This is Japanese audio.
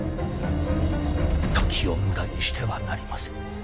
時を無駄にしてはなりません。